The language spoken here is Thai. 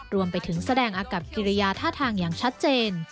รวมไปถึงแสดงอากับกิริยาท่าทางอย่างชัดเจน